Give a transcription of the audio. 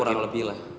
ya kurang lebih lah